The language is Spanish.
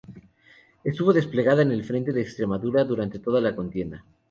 Estuvo desplegada en el frente de Extremadura durante toda la contienda.